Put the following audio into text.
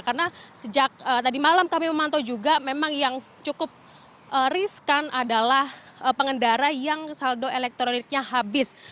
karena sejak tadi malam kami memantau juga memang yang cukup riskan adalah pengendara yang saldo elektroniknya habis